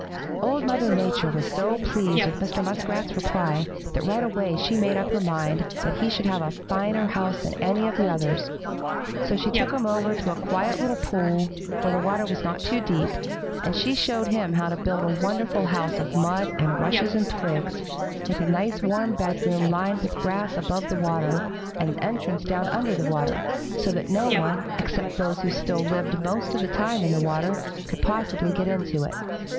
"Old Mother Nature was so pleased with Mr. Muskrat's reply that right away she made up her mind that he should have a finer house than any of the others, so she took him over to a quiet little pool, where the water was not too deep and she showed him how to build a wonderful house of mud and rushes and twigs, with a nice warm bedroom lined with grass above the water, and an entrance down under the water, so that no one except those who still lived most of the time in the water could possibly get into it.